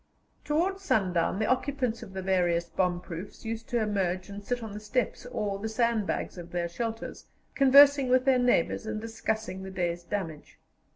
Towards sundown the occupants of the various bomb proofs used to emerge and sit on the steps or the sandbags of their shelters, conversing with their neighbours and discussing the day's damage.